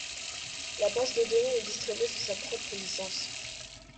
La base de données est distribuée sous sa propre licence.